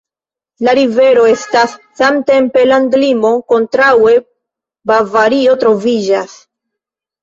La rivero estas samtempe landlimo, kontraŭe Bavario troviĝas.